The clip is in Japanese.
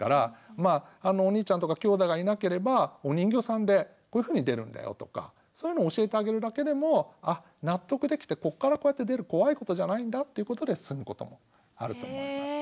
まあお兄ちゃんとかきょうだいがいなければお人形さんでこういうふうに出るんだよとかそういうのを教えてあげるだけでも納得できてここからこうやって出る怖いことじゃないんだっていうことで進むこともあると思います。